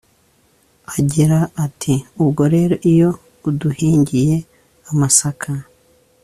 Agira ati “Ubwo rero iyo uduhingiye amasaka